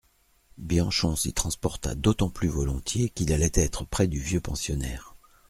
Bianchon s'y transporta d'autant plus volontiers qu'il allait être près du vieux pensionnaire.